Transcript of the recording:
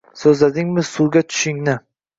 So’zladingmi suvga tushingni?